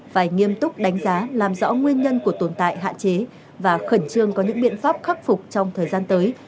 phải nghiêm túc đánh giá làm rõ nguyên nhân của tồn tại hạn chế và khẩn trương có những biện pháp khắc phục trong thời gian tới